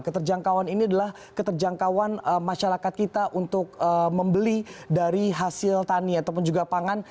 keterjangkauan ini adalah keterjangkauan masyarakat kita untuk membeli dari hasil tani ataupun juga pangan